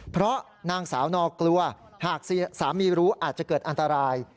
เพราะนางสาวนอกลัวหากสามีรู้อาจจะเกิดอันตราย